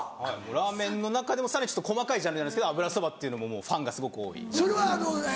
ラーメンの中でもさらに細かいジャンルになるんですけど油そばっていうのももうファンがすごく多いジャンル。